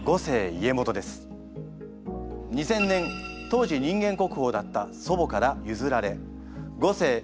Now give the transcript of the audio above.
２０００年当時人間国宝だった祖母から譲られ五世・井上